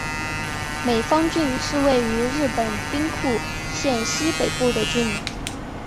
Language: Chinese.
美方郡是位于日本兵库县西北部的郡。